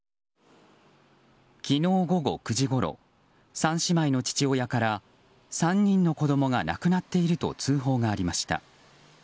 昨日午後９時ごろ３姉妹の父親から３人の子供が亡くなっていると通報がありました。